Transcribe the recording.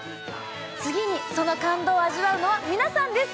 次にその感動を味わうのは皆さんです！